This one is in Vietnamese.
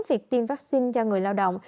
việc tiêm vaccine cho người lao động